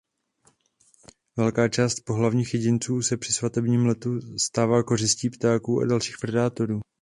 Velká část pohlavních jedinců se při „svatebním letu“ stává kořistí ptáků a dalších predátorů.